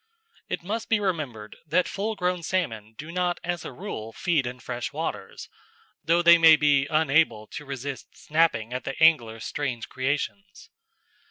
It must be remembered that full grown salmon do not as a rule feed in fresh water, though they may be unable to resist snapping at the angler's strange creations.